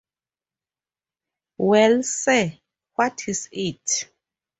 Well, sir, what is it?